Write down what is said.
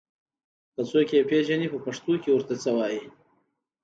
که څوک يې پېژني په پښتو ور ته څه وايي